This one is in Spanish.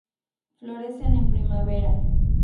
Florecen en primavera.